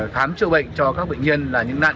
khám trợ bệnh cho các bệnh nhân là những nạn nhân